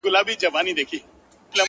o بارونه ئې تړل، اوښانو ژړل٫